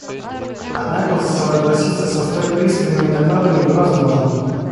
Однако согласиться со столь пристрастными докладами невозможно.